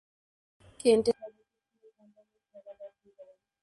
কেন্টের সদস্য স্বীয় সন্তানের খেলা দর্শন করেন।